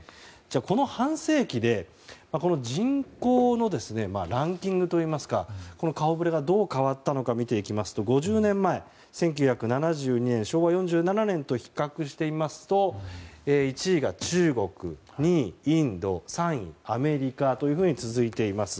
この半世紀で人口のランキングといいますか顔ぶれがどう変わったのか見ていきますと５０年前、１９７２年昭和４７年と比較してみると１位が中国２位、インド３位、アメリカというふうに続いています。